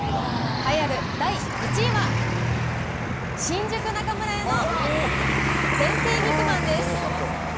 栄えある第１位は、新宿中村屋の天成肉饅です。